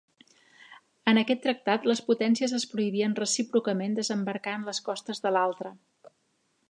En aquest tractat, les potències es prohibien recíprocament desembarcar en les costes de l'altra.